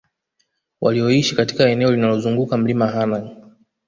walioishi katika eneo linalozunguka Mlima Hanang